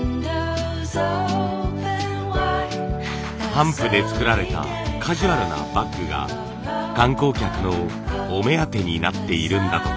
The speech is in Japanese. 帆布で作られたカジュアルなバッグが観光客のお目当てになっているんだとか。